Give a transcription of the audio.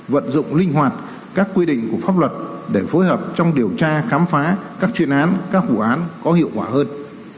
vận dụng linh hoạt các quy định của pháp luật để phối hợp trong điều tra khám phá các chuyên án các vụ án có hiệu quả hơn